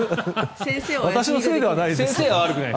私のせいではないですよ。